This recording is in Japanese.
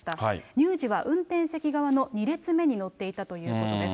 乳児は運転席側の２列目に乗っていたということです。